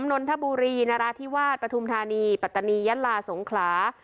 นนทบุรีนราธิวาสปฐุมธานีปัตตานียะลาสงขลา